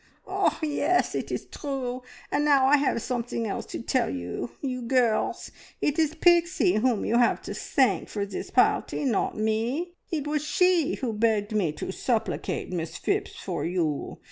"Ah, yes! It is true. And now I have something else to tell you, you girls! It is Pixie whom you have to thank for this party, not me. It was she who begged me to supplicate Miss Phipps for you.